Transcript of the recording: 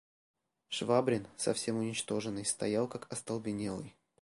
Швабрин, совсем уничтоженный, стоял как остолбенелый.